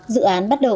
dự án bắt đầu